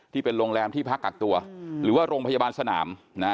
ที่เป็นโรงแรมที่พักกักตัวหรือว่าโรงพยาบาลสนาม